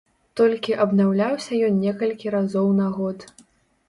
Толькі абнаўляўся ён некалькі разоў на год.